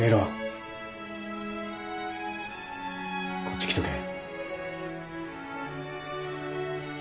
こっち来とけ。